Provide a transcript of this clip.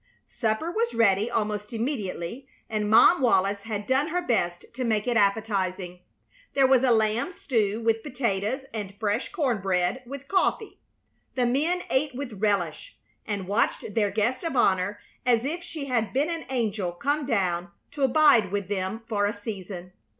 Supper was ready almost immediately, and Mom Wallis had done her best to make it appetizing. There was a lamb stew with potatoes, and fresh corn bread with coffee. The men ate with relish, and watched their guest of honor as if she had been an angel come down to abide with them for a season.